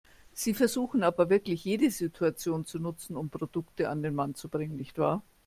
Sie versuchen aber auch wirklich jede Situation zu nutzen, um Produkte an den Mann zu bringen, nicht wahr?